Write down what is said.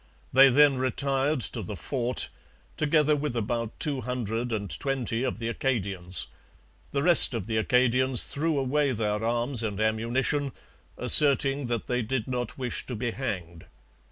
They then retired to the fort, together with about two hundred and twenty of the Acadians; the rest of the Acadians threw away their arms and ammunition, asserting that they did not wish to be hanged.